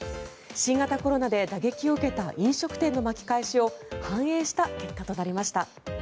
新型コロナで打撃を受けた飲食店の巻き返しを反映した結果となりました。